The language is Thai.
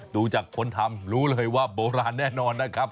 ดูจากคนทำรู้เลยว่าโบราณแน่นอนนะครับ